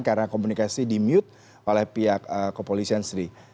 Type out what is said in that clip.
karena komunikasi di mute oleh pihak kepolisian sri